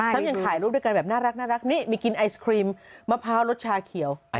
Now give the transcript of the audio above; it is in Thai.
ยังถ่ายรูปด้วยกันแบบน่ารักนี่มีกินไอศครีมมะพร้าวรสชาเขียว